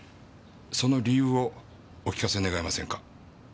その理由をお聞かせ願えませんか？